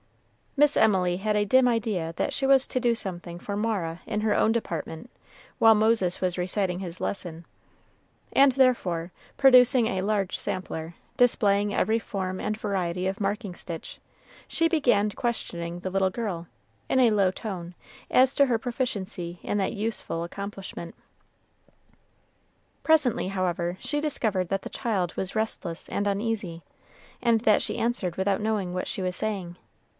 Miss Emily had a dim idea that she was to do something for Mara in her own department, while Moses was reciting his lesson; and therefore producing a large sampler, displaying every form and variety of marking stitch, she began questioning the little girl, in a low tone, as to her proficiency in that useful accomplishment. Presently, however, she discovered that the child was restless and uneasy, and that she answered without knowing what she was saying.